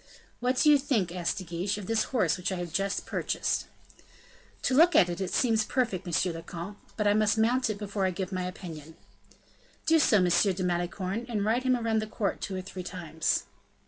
"What do you think," asked De Guiche, "of this horse, which I have just purchased?" "To look at it, it seems perfect, monsieur le comte; but I must mount it before I give you my opinion." "Do so, M. de Malicorne, and ride him round the court two or three times."